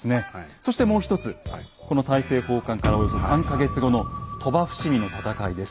そしてもう一つこの大政奉還からおよそ３か月後の鳥羽伏見の戦いです。